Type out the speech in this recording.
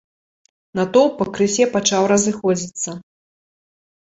Натоўп пакрысе пачаў разыходзіцца.